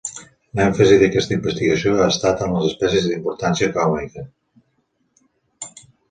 L'èmfasi d'aquesta investigació ha estat en les espècies d'importància econòmica.